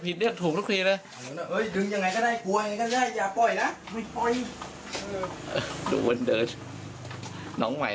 มีทั้งหลังมาลูกฌ่า